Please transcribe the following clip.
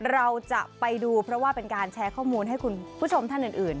เราจะไปดูเพราะว่าเป็นการแชร์ข้อมูลให้คุณผู้ชมท่านอื่น